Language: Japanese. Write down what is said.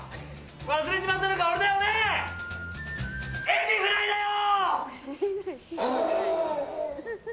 忘れちまったのか、俺だよ俺エビフライだよ！